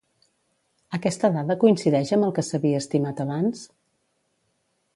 Aquesta dada coincideix amb el que s'havia estimat abans?